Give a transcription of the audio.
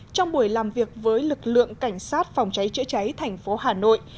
trong buổi làm việc với lực lượng cảnh sát phòng cháy chữa cháy thành phố hà nội